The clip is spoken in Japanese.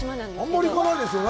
あんまり行かないですよね。